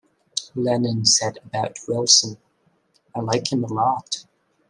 Lennon said about Wilson, I like him a lot.